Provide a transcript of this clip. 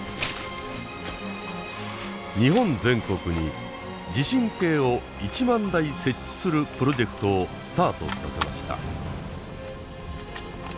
日本全国に地震計を１万台設置するプロジェクトをスタートさせました。